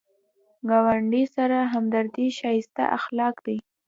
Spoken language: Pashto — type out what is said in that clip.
ګاونډي سره همدردي ښایسته اخلاق دي